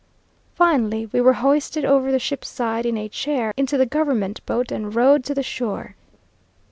Finally, we were hoisted over the ship's side in a chair, into the government boat, and rowed to the shore.